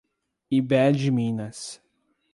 Imbé de Minas